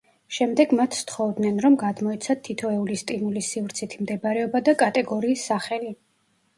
შემდეგ მათ სთხოვდნენ, რომ გადმოეცათ თითოეული სტიმულის სივრცითი მდებარეობა და კატეგორიის სახელი.